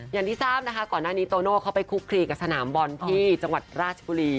อย่างที่ทราบนะคะก่อนหน้านี้โตโน่เขาไปคุกคลีกับสนามบอลที่จังหวัดราชบุรี